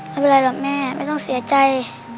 ไม่เป็นไรหรอกแม่ไม่ต้องเสียใจ